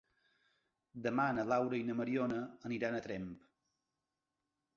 Demà na Laura i na Mariona aniran a Tremp.